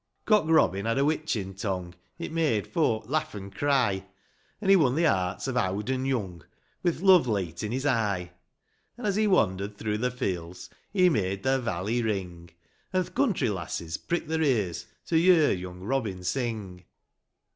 II. Cock Robin had a witchin' tongue, It made folk laugh an' cry ; An' he won the hearts of owd an' young Wi' th' love leet in his eye : COCK ROBIN. 139 An' as he wandered through the fields He made the valley ring ; An" th' country lasses pricked their ears. To yer young Robin sing.